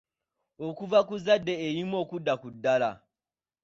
Okuva ku zzadde erimu okudda ku ddala.